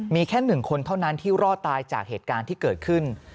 มีแค่๑คนเท่านั้นที่รอดตายจากเหตุการณ์ที่เกิดขึ้น